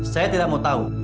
saya tidak mau tahu